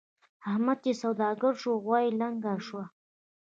احمد چې سوداګر شو؛ غوا يې لنګه شوه.